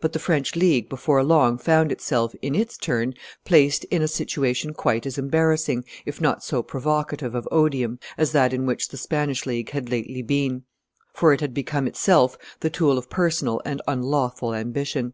But the French League before long found itself, in its turn, placed in a situation quite as embarrassing, if not so provocative of odium, as that in which the Spanish League had lately been; for it had become itself the tool of personal and unlawful ambition.